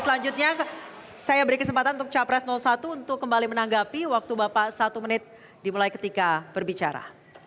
selanjutnya saya beri kesempatan untuk capres satu untuk kembali menanggapi waktu bapak satu menit dimulai ketika berbicara